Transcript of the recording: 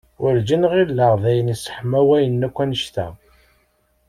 Werǧin ɣilleɣ d ayen yesseḥmawen akk annect-a.